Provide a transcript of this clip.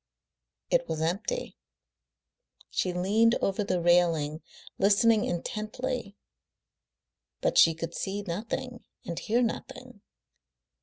It was empty. She leaned over the railing, listening intently, but she could see nothing and hear nothing.